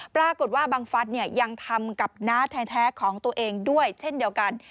ปรากฏว่าบังฟัสยังทำกับน้าแท้ของตัวเองด้วยเช่นเดียวกัน